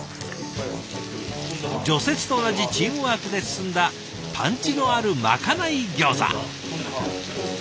除雪と同じチームワークで包んだパンチのあるまかないギョーザ。